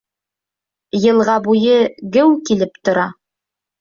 Йылға буйы геү килеп тора.